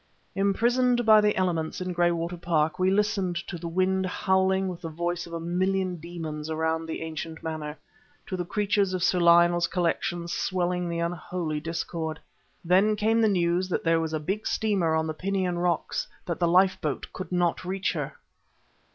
Imprisoned by the elements in Graywater Park, we listened to the wind howling with the voice of a million demons around the ancient manor, to the creatures of Sir Lionel's collection swelling the unholy discord. Then came the news that there was a big steamer on the Pinion Rocks that the lifeboat could not reach her.